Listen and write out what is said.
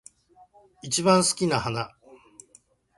一番好きな花